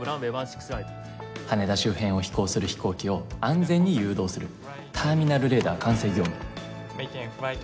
羽田周辺を飛行する飛行機を安全に誘導するターミナルレーダー管制業務。